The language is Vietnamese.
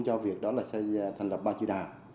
cho việc đó là xây dựa thành lập ba tri đảng